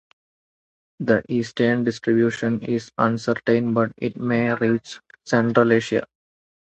The eastern distribution is uncertain but it may reach central Asia.